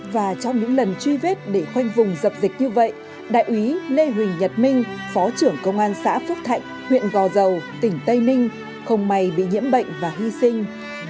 và trong những lần truy vết để khoanh vùng dập dịch như vậy đại úy lê huỳnh nhật minh phó trưởng công an xã phước thạnh huyện gò dầu tỉnh tây ninh không may bị nhiễm bệnh và hy sinh